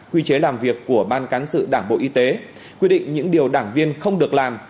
quy chế làm việc của ban cán sự đảng bộ y tế quy định những điều đảng viên không được làm